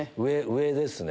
上ですね。